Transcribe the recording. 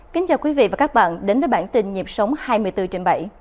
kính chào quý vị và các bạn đến với bản tin nhịp sống hai mươi bốn trên bảy